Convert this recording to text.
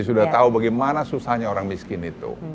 sudah tahu bagaimana susahnya orang miskin itu